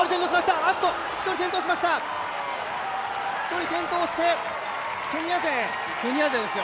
１人転倒してケニア勢。